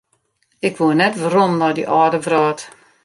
Ik woe net werom nei dy âlde wrâld.